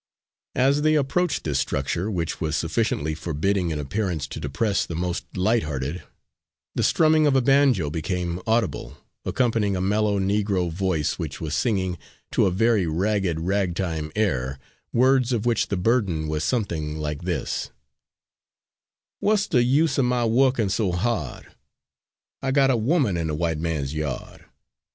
As they approached this structure, which was sufficiently forbidding in appearance to depress the most lighthearted, the strumming of a banjo became audible, accompanying a mellow Negro voice which was singing, to a very ragged ragtime air, words of which the burden was something like this: _"W'at's de use er my wo'kin' so hahd? I got a' 'oman in de white man's yahd.